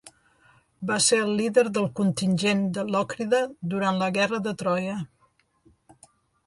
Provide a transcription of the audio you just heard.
Va ser el líder del contingent de Lòcrida durant la guerra de Troia.